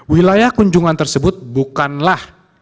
wilayah kunjungan tersebut bukanlah